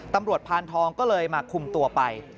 พานทองก็เลยมาคุมตัวไป